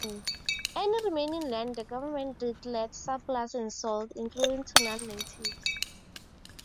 Any remaining land the government declared 'surplus' and sold, including to non-Natives.